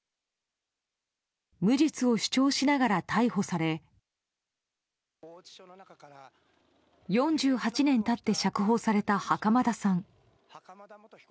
無実を主張しながら逮捕され４８年経って釈放された袴田さん。